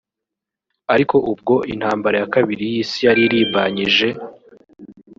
Ariko ubwo intambara ya kabiri y’isi yaririmbanyije